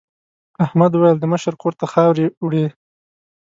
احمد وویل د مشر کور ته خاورې وړي.